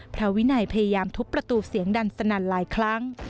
พระวินัยพยายามทุบประตูเสียงดังสนั่นหลายครั้ง